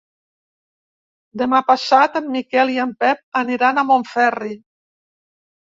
Demà passat en Miquel i en Pep aniran a Montferri.